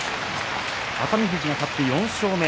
熱海富士が勝って４勝目。